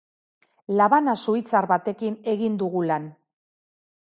Labana suitzar batekin egin dugu lan.